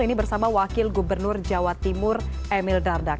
ini bersama wakil gubernur jawa timur emil dardak